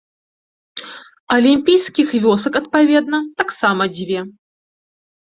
Алімпійскіх вёсак, адпаведна, таксама дзве.